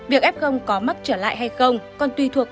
việc f có mắc trở lại hay không còn tùy thuộc